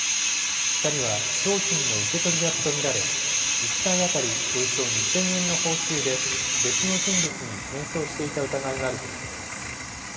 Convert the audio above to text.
２人は商品の受け取り役と見られ１台当たりおよそ２０００円の報酬で別の人物に転送していた疑いがあるということです。